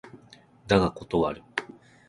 だが断る